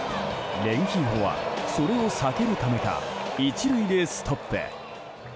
レンヒーフォはそれを避けるためか１塁でストップ。